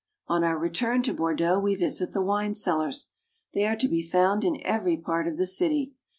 On our return to Bordeaux we visit the wine cellars. They are to be found in every part of the city.